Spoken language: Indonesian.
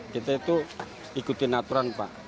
kita itu ikutin aturan pak